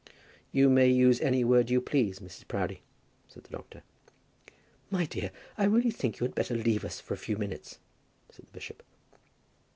"You may use any word you please, Mrs. Proudie," said the doctor. "My dear, I really think you had better leave us for a few minutes," said the bishop.